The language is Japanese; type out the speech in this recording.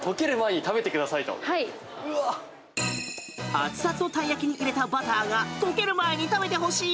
熱々のたい焼きに入れたバターが溶ける前に食べてほしい！